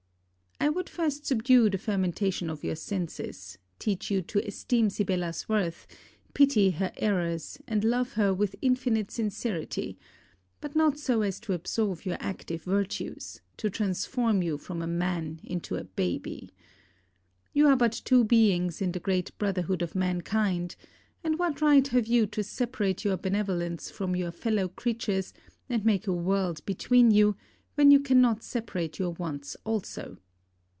I would first subdue the fermentation of your senses, teach you to esteem Sibella's worth, pity her errors, and love her with infinite sincerity, but not so as to absorb your active virtues, to transform you from a man into a baby. You are but two beings in the great brotherhood of mankind, and what right have you to separate your benevolence from your fellow creatures and make a world between you, when you cannot separate your wants also?